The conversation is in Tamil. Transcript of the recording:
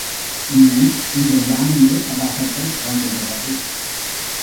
இனி இந்த யானையே தடாகத்தில் இறங்குகிறது.